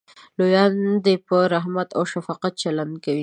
لویان دې په رحمت او شفقت چلند کوي.